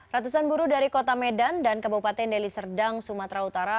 ratusan buruh dari kota medan dan kabupaten deli serdang sumatera utara